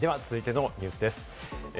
では続いてのニュースです。